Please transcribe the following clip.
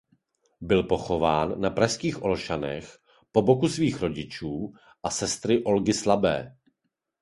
Byl pochován na pražských Olšanech po boku svých rodičů a sestry Olgy Slabé.